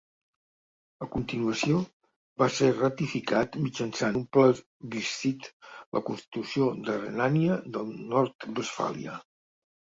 A continuació, va ser ratificat mitjançant un plebiscit la Constitució de Renània del Nord-Westfàlia.